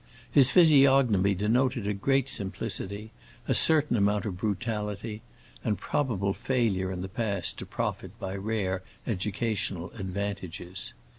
His physiognomy denoted great simplicity, a certain amount of brutality, and probable failure in the past to profit by rare educational advantages.